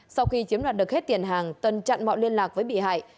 sau khi chiếm đoạt được hết tiền hàng tân chặn mọi liên lạc với bị hại